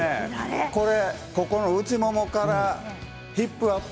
内ももからヒップアップ